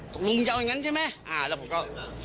ลุงมึงจะเอาอย่างงั้นใช่ไหมแล้วผมก็